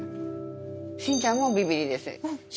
心ちゃんもビビリです。